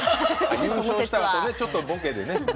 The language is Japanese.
優勝したあとちょっとボケでね。